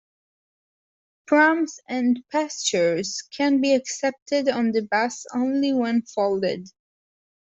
Prams and pushchairs can be accepted on the bus only when folded